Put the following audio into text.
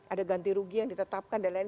ada ganti rugi yang ditetapkan dan lain lain